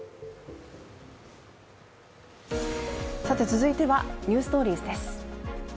続いては「ｎｅｗｓｔｏｒｉｅｓ」です。